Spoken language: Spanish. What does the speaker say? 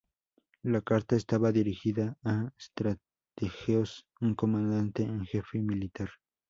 La carta estaba dirigida a Strategos, un comandante en jefe y militar.